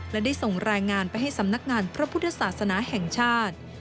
และได้ส่งรายงานไปให้สำนักงานพระพุทธศาสนาแห่งชาติ